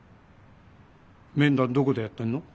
面談どこでやってんの？